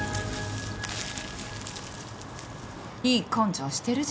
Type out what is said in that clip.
いい根性してるじゃない。